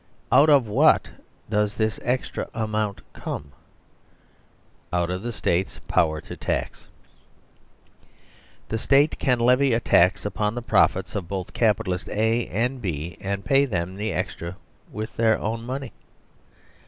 Out of what does this extra amount come ? Out of the State's power to tax. The State can levy a tax upon the profits of both Cap italists A and B, and pay them the extra with their own money.